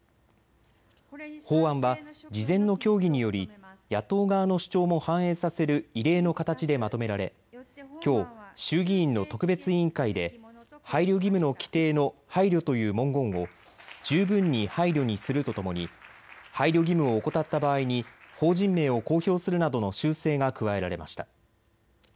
法案は事前の協議により野党側の主張も反映させる異例の形でまとめられ、きょう衆議院の特別委員会で配慮義務の規定の配慮という文言を十分に配慮にするとともに配慮義務を怠った場合に法人名を公表するなどの修正が加えられました。